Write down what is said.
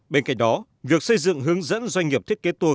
bên cạnh đó việc xây dựng hướng dẫn doanh nghiệp thiết kế tour